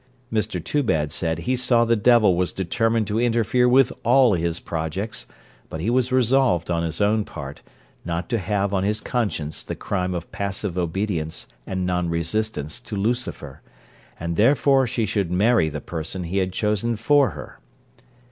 Mr Toobad said he saw the devil was determined to interfere with all his projects, but he was resolved on his own part, not to have on his conscience the crime of passive obedience and non resistance to Lucifer, and therefore she should marry the person he had chosen for her.